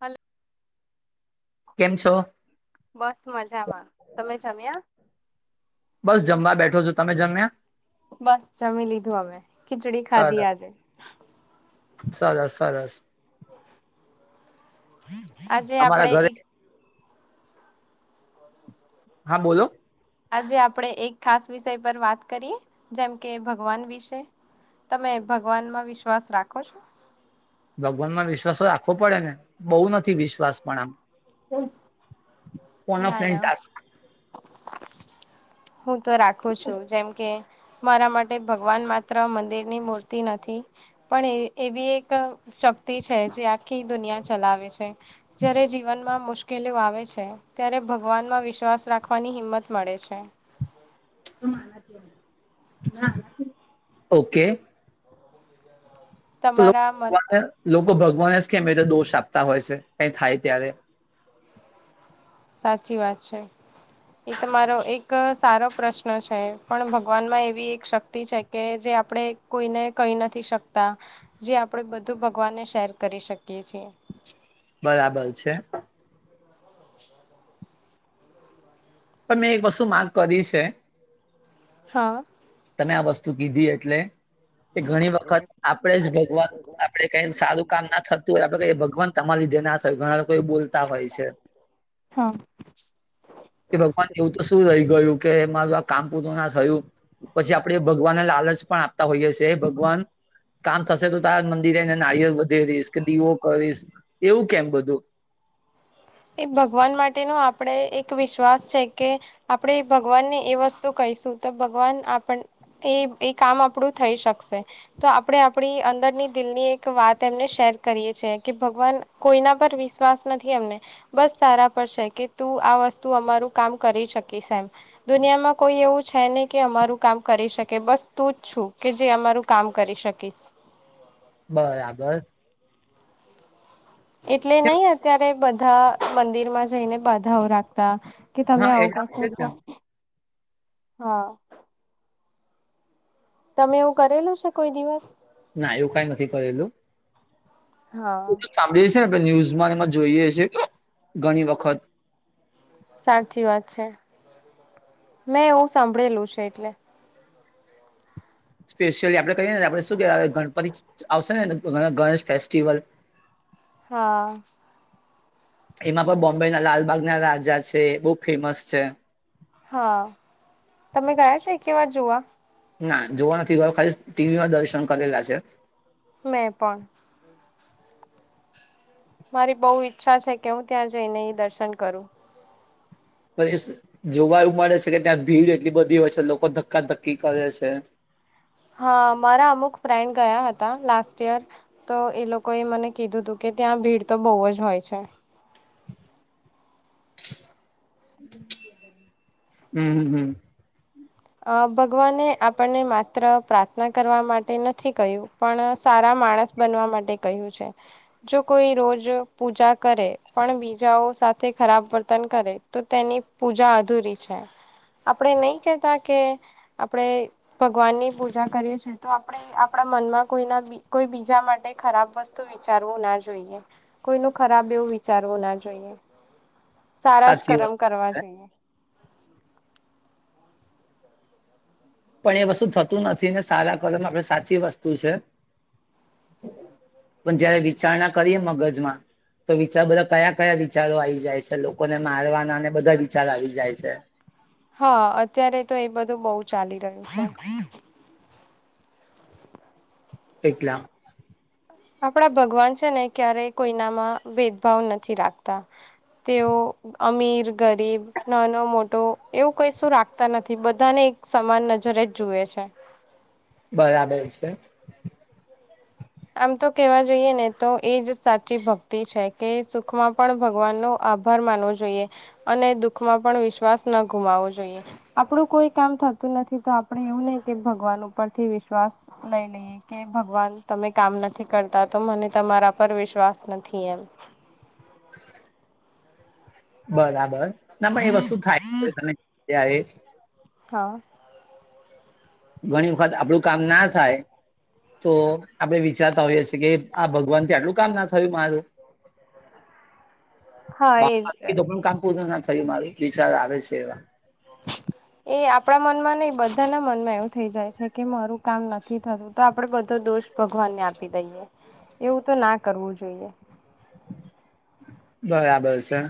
હલ કેમ છો? બસ મજામાં, તમે જમ્યા? બસ જમવા બેઠો છો, તમે જમ્યા? બસ જમી લીધું અમે ખીચડી ખાધી આજે. સરારસ સરારસ આજે આપણેે એક હા બોલો આજે આપણેે એક ખાસ વિષય પર વાત કરીએ જેમ કે ભગવાન વિશે તમે ભગવાન માં વિશ્વાસ રાખો છો? ભગવાન માં વિશ્વાસ રાખવો પડે ને બહુ નથી વિશ્વાસ પણ આમ. ફોન અ ના ફ્રેન્ડ ના ટાસ્ક. હું તો રાખું છું જેમ કે મારા માટે ભગવાન માત્ર મંદિરની મૂર્તિ નથી પણ એવી એક શક્તિ છે. જે આખી દુનિયા ચલાવે છે. જ્યારે જીવનમાં મુશ્કેલીઓ આવે છે. ત્યારે ભગવાનમાં વિશ્વાસ રાખવાની હિંમત મળે છે. ઓકે તમારા મત તો ભગવાને જ કેમ એ તો દોષ આપતા હોય છે કઈ થાય ત્યારે સાચી વાત છે એ તમારો એક સારો પ્રશ્ન છે પણ ભગવાનમાં એવી એક શક્તિ છે કે જે આપણે કોઈને કહી નથી શકતા જે આપણે બધું ભગવાનને શેર કરી શકીએ છીએ. બરાબર છે. પણ મેં એક વસ્તુ માગ કરી છે હા. તમે આ વસ્તુ કીધી એટલે એ ઘણી વખત આપે જ ભગવાન આપડે કઈ સારું કામ ના થતું હોય આપડે ભગવાન તમારી જે ના થ હોય ઘણા લોકો એ બોલતા હોય છે. હા કે ભગવાન એવું તો શું રહી ગયું કે મારું આ કામ પુરુ ના થયું પછી આપણેે ભગવાનને લાલચ પણ આપતા હોઈએ છે ભગવાન કામ થશે તો તારા મંદિરેને નારિયેળ વધેરીશ કે દીવો કરીશ એવું કેમ બધું. એ ભગવાન માટેનો આપણેે એક વિશ્વાસ છે કે આપણે ભગવાનને એ વસ્તુ કઈ ભગવા કામ આપણું થઈ શકશે તો આપણે આપણી અંદર ની દિલ ની એક વાત એમને શેર કરી કે ભગવાન કોઈના પર વિશ્વાસ નથી એમને બસ તારા પર છે કે તું આ વસ્તુ અમારું કામ કરી શકીશ એમ દુનિયામાં કોઈ એવું છે નને કે અમારું કામ કરી શકે બસ તું જ છું કે જે અમારું કામ કરી શકીશ બરાબર એટલે નહી અત્યારે બધા મંદિરમાં જઈને બાધાઓ રાખતા. કે તમે હા આવું એટલા કરશો માટે જ તો ને હા તમે એવું કરેલું છે કોઈ દિવસ ના એવું કઈ નથી કરેલું હા એ સાંભળીએ છે ને ન્યૂઝમાં એમાં જોઈએ છે કે ઘણી વખત સાચી વાત છે. મેં એવું સાંભળેલું છે એટલે સ્પેશિયલી આપડે કહીએ ને આપણે શું કેવા ગણપતિ આવશે ને ગણેશ ફેસ્ટિવલ હા એમાં પણ બોમ્બે ના લાલબાગના રાજા છે એ બહુ ફેમસ છે હા તમે ગયા છો એક વાર જોુવા ના જોવા નથી ગયો ખાલી ટીવીમાં દર્શન કરેલા છે. મેં પણ મારી બહુ ઈચ્છા છે કે હું ત્યાં જઈને એ દર્શન કરું. જોવા એું મળે છે કે ત્યાં ભીડ એટલી બધી હોય છે લોકો ધક્કાધક્કી કરે છે હા મારા અમુક ફ્રેન્ડ ગયા હતા લાસ્ટ યયર તો એ લોકોએ મને કીધું તું કે ત્યાં ભીડ તો બહુ જ હોય છે હમ હમ. અ ભગવાને આપણને માત્ર પ્રાર્થના કરવા માટે નથી કહ્યું પણ સારામાં માણસ બનવા માટે કહ્યું છે જો કોઈ રોજ પૂજા કરે પણ બીજા સાથે ખરાબ વર્તન કરે તો તેની પૂજા અધૂરી છે આપણેે નહી કતા કે આપણે ભગવાન ની પૂજા કરીએ છ છેએ તો આપણે આપણા મનમાં કોઈના કોઈ બીજા માટે ખરાબ વસ્તુ વિચારવું ના જોઈએ કોઈનું ખરાબ એવું વિચારવું ના જોઈએ સારા જ સાચી વાત. કરમ કરવા જોઈએ પણ એ વસ્તુ થતું નથી ને સારા કલમ આપણે સાચી વસ્તુ છે પણ જયારે વિચારણા કરીએ મગજમાં તો વિચાર બધા કયા કયા વિચારો આવી જાય છે લોકોને મારવાના અને બધા વિચારો આવી જાય છે હા અત્યારે તો એ બધું બહુ ચાલી રહ્યું છે પટલા આપડા ભગવાન છે. ને ક્યારે કોઈનામાં ભેદભાવ નથી લાગતા તેઓ અમીર ગરીબ ના ન મોટો એવું કઈ શું રાખતા નથી બધાને સમાન નજરે જ જુએ છે. બરાબર છે આમ તો કેવા જોઈએ ને તો એજ સાચી ભક્તિ છે કે સુખમાં પણ ભગવાન ન ભ માનવઈ અને દુઃખમાં પણ વિશ્વાસ ન ગુમાવવો જોઈએ આપણું કોઈ કામ થતું નથી તો આપણે એવું નહી કે ભગવાન ઉપરથી વિશ્વાસ લઈ લઈએ કે ભગવાન તમે કામ નથી કરતા તો મને તમારા પર વિશ્વાસ નથી એમ બરાબર ના પણ એ વસ્તુ થાય ત હા. ઘણી વખત આપડું કામ ના થાય તો આપડે વિચારતા હોઈએ છીએ કે આ ભગવાન થી આટલું કામ ના થયું મારું હા એજ તો પણ કામ પૂરું ના થયું મારું વિચાર આવે છે એવા એ આપણા મનમાં નહ બધાના મન માં એવું થઈ જાય છે કે મારું કામ નથી થતું તો આપડે બધું દોષ ભગવાનને આપી દઈએ એવું તો ના કરવું જોઈએ બરાબર છે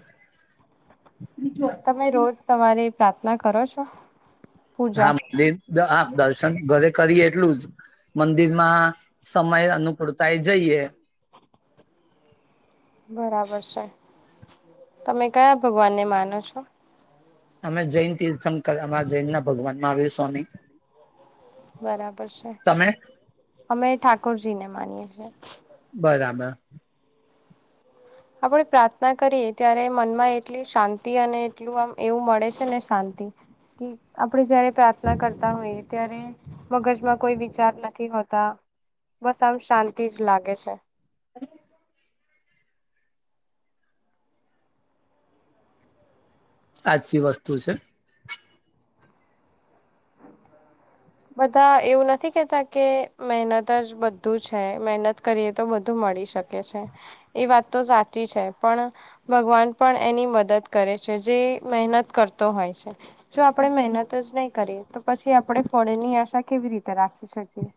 તમે રોજ તમારી પ્રાર્થના કરો છો પૂજા હા હા દર્શન ઘરે કરી એટલું જ મંદિરમાં સમય અનુકૂળતાય જઈએ બરાબર છે તમે કયા ભગવાનને માનો છો અમે જૈન તીર્થન અમારા જૈન ના ભગવાનમાં આવે સ્વામી બરાબર છે તમે અમે ઠાકોુરજી ને માનીએ છીએ બરાબર આપણે પ્રાર્થના કરીએ ત્યારે મનમાં એટલી શાંતિ અને એટલું આમ એવું મળે છે ને શાંતિ આપણે જયારે પ્રાર્થના કરતા હોયએ ત્યારે મગજમાં કોઈ વિચાર નથી તા બસ આમ શાંતિ જ લાગે છે હ સાચી વસ્તુ છે બધા એવું નથી કેતા કે મહેનત જ બધું છે મહેનત કરીએ તો બધું મળે હોઈ શકે છે એ વાત તો સાચી છે પણ ભગવાન પણ એની મદદ કરે છે જે મહેનત કરતો હોય છે જો આપણે મહેનત જ નહી કરીએ તો પછી આપણે પણ એની આશા કેવી રીતે રાખી શકી એ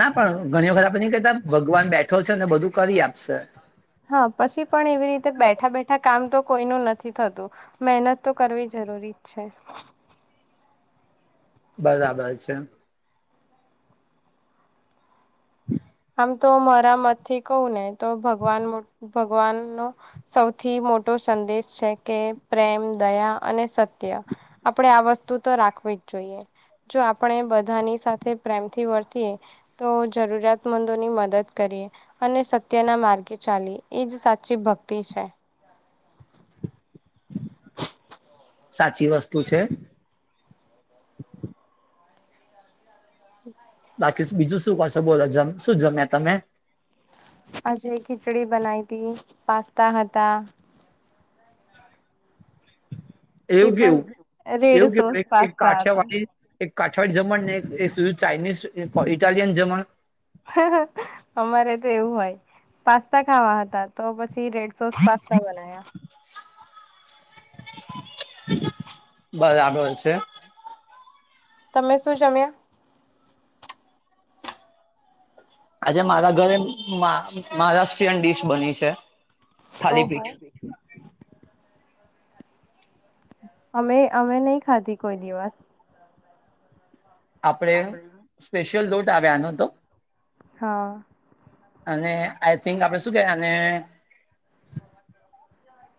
ના પણ ઘણી વખત આપડે નહી કેતા ભગવાન બેઠો છે ને બધું કરી આપશે હા કોઈ નું નથી થતું મેહનત તો કરવી જરૂરી છે બરાબર છે હ આમ તો મારા મતથી કહ ને તોગવા ભગવાન નો સૌથી મોટો સંદેશ છે કે પ્રેમ દયા અને સત્ય આપણે આ વસ્તુ તો રાખવી જ જોઈએ જો આપણે બધાની સાથે પ્રેમથી વર્તીએ તો જરૂરિયાત મંદોની મદદ કરી અને સત્યના માર્ગે ચાલી એ જ સાચી ભક્તિ છે સાચી વસ્તુ છે હ બાકી બીજું શું કશો બોલો શું જમ્યા તમે જે ખીચડી બનાઈ હતી પાસ્તા હતા એ એવું પણ કેવું રેડ એવું સોસ કેવું એક પાસ્તા કાઠિયા હતા. વાળડી એક કાઠવાડ જમણ નેીધું ચાઇનીઝ ઇટાલિયન જમણ હ અમારે તો એવું હોય પાસ્તા ખાવા હતા તો પછી રેડ સોસતા કઈ બનાયા હ [inaudible] આવેલ છે [unintelligible] તમે શું જમ્યા આજે મારા ઘરે મહારાષ્ટ્રીયન ડીશ બની છે ઓ થાલીપીઠ ભઈ અમે અમે નહી ખાધી કોઈ દિવસ આપડે સ્પેશિયલ દોટ આવ્યા નતો હા અને આઈ થિંક આપડે શું કે અને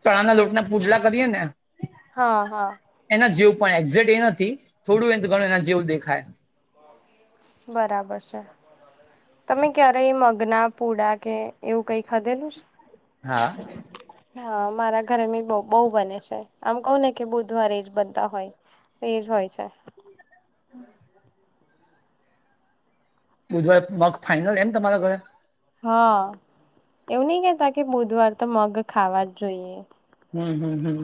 ચણાના લોટના પૂડલા કરીએ ને હા હા એના જેવો પણ એક્ઝે્ટ એ નથી થોડું એ ઘણું એના જેવું દેખાય બરાબર છે તમે ક્યારેય મગના પૂડા કે એવું કઈ ખાધેલું છે હા હા મારા ઘરે બી બહુ બને છે આમ કહ ને કે બુધવારે એ જ બનતા હોય એજ હોય છે હમ [inaudible] બુધવાર મગ ફાઈનલ એમ તમારા ઘરે હા એવું નહી કેતા કે બુધવાર તો મગ ખાવા જ જોઈએ હમ હમ હમ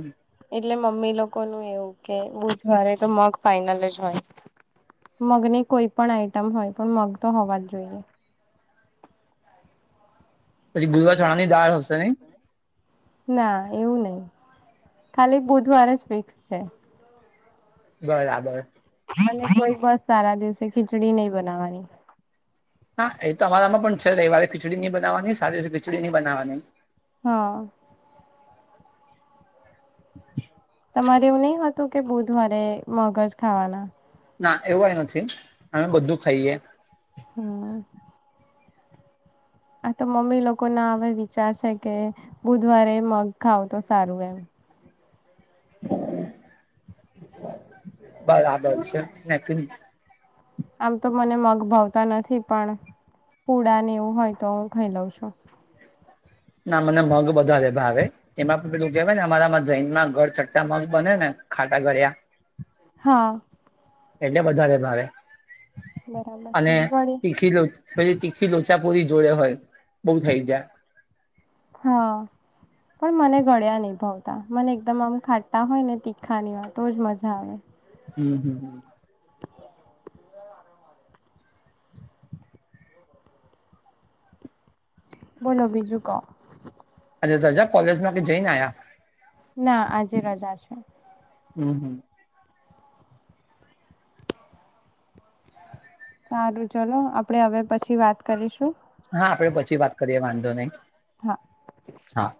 એટલે મમ્મી લોકો નું એવું કે બુધવારે તો મગ ફાઈનલ જ હોય મગ ની કોઈ પણ આઈટમ હોય પણ મગ તો હોવા જ જોઈએ પછી ગુદવા ચણા ની દાળ હશે નઈ ના એવું નહી ખાલી બુધવાર જ ફિક્સ છે બરાબર અને કોઈ બસ સારા દિવસે ખીચડી નહી બનાવાની હા એ તો અમારામાં પણ છે રવિવારે ખીચડી નઈ બનાવાની સારા દિવસે ખીચડી નઈ બનાવાની હમ [inaudible] તમારે એવું નહી હોતું કે બુધવારે મગ જ ખાવાના ના એવું એ નથી અમે બધું ખાઈએ હં. આ તો મમ્મી લોકો ના હ વિચાર છે કે બુધવારે મગ ખાવ તો સારું એમ બસ આ બત છે ન આમ તો મને મગ ભાવતા નથી પણ પુડા ને એવું હોય તો હું ખાઈ લઉં છું ના મને મગ બધા ભાવે એમાં પણ પેલુ કેહેવાય ને અમારામાં જૈનમાં ગળચટ્ટા મગ બને ને ખાટા ગળ્યા હા એટલે વધારે ભાવે બરાબર છે અને વળી તીખી પછી તીખી લોચાપુરી જોડે હોય બહુ થઇ જાય હા પણ મને ગળ્યા નહીં ભાવતા મને એકદમ આમ ખાટા હોય ને તીખા ને એવા તો જ મજા આવે હમ હમ હ બોલો બીજું કો આજે તો જા કોલેજમાં આપણે જઈને આયા ના આજે રજા છે હમ હમ સારું ચલો આપડે હવે પછી વાત કરીશું હા આપડે પછી વાત કરીએ વાંધો નહી હા. હા